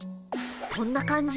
こんな感じ？